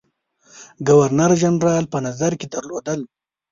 ګورنر جنرال په نظر کې درلودل.